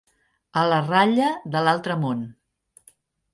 A la ratlla de l'altre món.